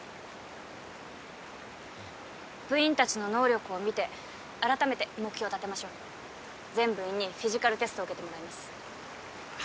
部員たちの能力を見て改めて目標立てましょう全部員にフィジカルテストを受けてもらいます